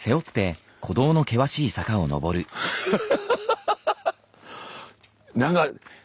ハハハハハハッ！